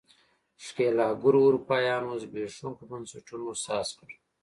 ښکېلاکګرو اروپایانو زبېښونکو بنسټونو ساز کړل.